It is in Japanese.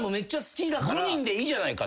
５人でいいじゃないかと。